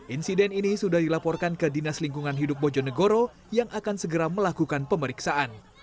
insiden ini sudah dilaporkan ke dinas lingkungan hidup bojonegoro yang akan segera melakukan pemeriksaan